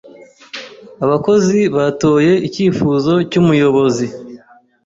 Abakozi batoye icyifuzo cyumuyobozi.